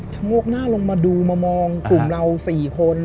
โงกหน้าลงมาดูมามองกลุ่มเรา๔คน